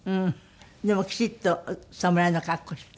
でもきちっと侍の格好して？